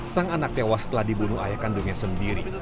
sang anak tewas setelah dibunuh ayah kandungnya sendiri